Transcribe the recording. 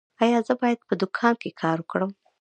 ایا زه باید په دوکان کې کار وکړم؟